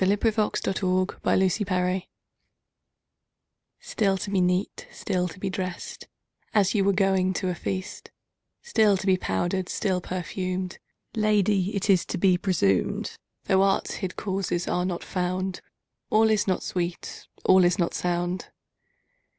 Ben Jonson Clerimont's Song STILL to be neat, still to be dressed, As you were going to a feast; Still to be powdered, still perfumed; Lady, it is to be presumed, Though art's hid causes are not found, All is not sweet, all is not sound.